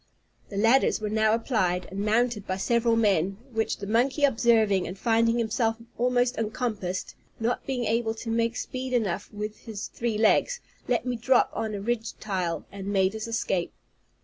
The ladders were now applied, and mounted by several men; which the monkey observing, and finding himself almost encompassed, not being able to make speed enough with his three legs, let me drop on a ridge tile, and made his escape.